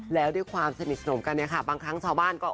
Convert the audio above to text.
แล้วด้วยความสนิทสนมกันเนี่ยค่ะบางครั้งชาวบ้านก็